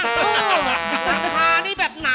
อู้หลังคานี่แบบหนา